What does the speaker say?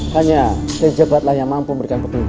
hanya kiai jabat lah yang mampu memberikan petunjuk